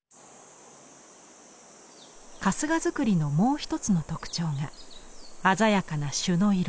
春日造のもう一つの特徴が鮮やかな朱の色。